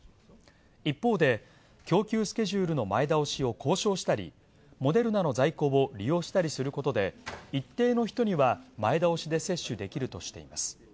一方で供給スケジュールの前倒しを交渉したりモデルナの在庫を利用したりすることで一定の人には前倒しで接種できるとしています。